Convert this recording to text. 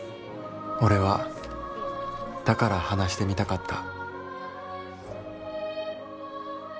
「俺はだから話してみたかった」。